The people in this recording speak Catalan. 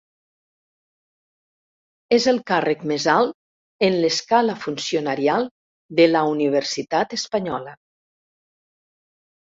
És el càrrec més alt en l'escala funcionarial de la universitat espanyola.